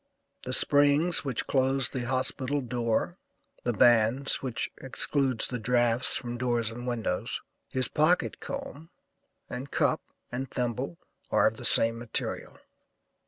The springs which close the hospital door, the bands which excludes the drafts from doors and windows, his pocket comb and cup and thimble are of the same material.